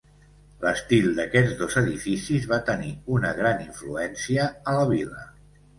L'estil d'aquests dos edificis va tenir una gran influència a la vila.